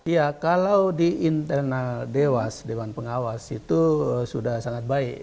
ya kalau di internal dewas dewan pengawas itu sudah sangat baik